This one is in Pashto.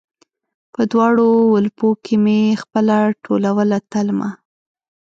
په دواړ ولپو کې مې خپله ټولوله تلمه